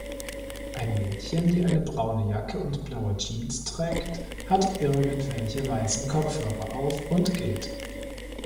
Ein Mädchen, die eine braune Jacke und blaue Jeans trägt, hat irgendwelche weißen Kopfhörer auf und geht